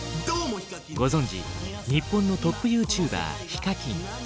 ご存じ日本のトップＹｏｕＴｕｂｅｒＨＩＫＡＫＩＮ。